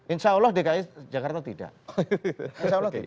insya allah dki jakarta tidak insya allah tidak